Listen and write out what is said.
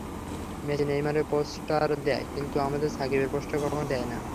Messi, নেইমারের poster দেয়, কিন্তু আমাদের সাকিবের পোস্টার কখনো দেয় না।